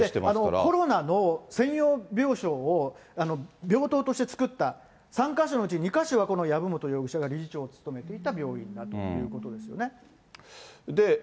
コロナの専用病床を病棟として作った３か所のうち２か所がこの籔本容疑者が理事長を務めていた病院だということですよね。